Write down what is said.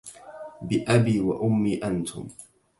بأبي وأمي أنتم